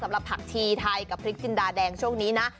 สำหรับผักชีไทยกับพริกจินดาแดงช่วงนี้นะ